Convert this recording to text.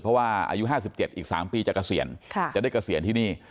เพราะว่าอายุห้าสิบเจ็ดอีกสามปีจะเกษียณค่ะจะได้เกษียณที่นี่